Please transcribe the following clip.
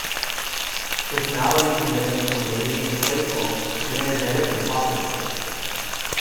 Personality can range from lazy and playful to energetic and talkative.